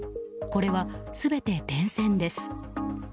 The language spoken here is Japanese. これは全て電線です。